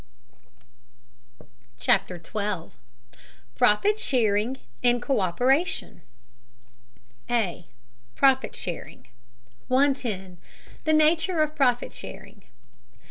CHAPTER XII PROFIT SHARING AND COÍPERATION A. PROFIT SHARING 110. THE NATURE OF PROFIT SHARING.